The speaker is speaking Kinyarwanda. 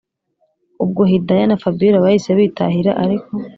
ubwo hidaya na fabiora bahise bitahira ariko